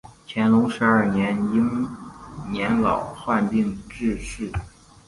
乾隆十二年因年老患病致仕。